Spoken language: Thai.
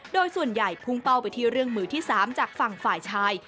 โดยส่วนใหญ่พุ่งเป้าไปที่เรื่องมือที่๓จากฝั่งฝ่ายชาย